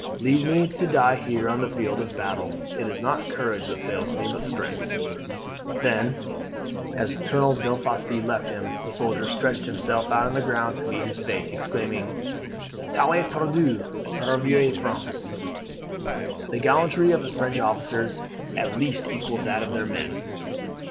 Leave me to die here on the field of battle. It is not courage that fails me, but strength." Then, as Colonel Delafosse left him, the soldier stretched himself on the ground to meet his fate, exclaiming, "Tout est perdu! pauvre France!" The gallantry of the French officers at least equalled that of their men.